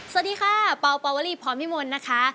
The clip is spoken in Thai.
สวัสดีค่ะปปวรีพร้อมพี่มนต์นะคะ